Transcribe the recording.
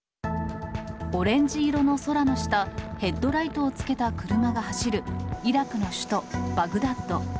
オレンジ色の空の下、ヘッドライトをつけた車が走るイラクの首都バグダッド。